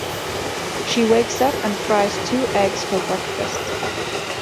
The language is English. She wakes up and fries two eggs for breakfast.